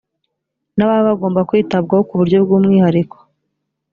n ababa bagomba kwitabwaho ku buryo bw umwihariko